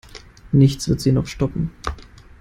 Nichts wird sie noch stoppen.